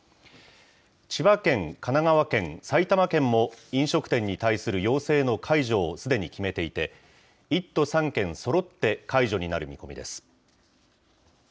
千葉県、神奈川県、埼玉県も、飲食店に対する要請の解除をすでに決めていて、１都３県そろって解除になる見込みです。